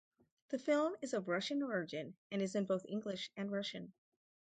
The film is of Russian origin and is in both English and Russian.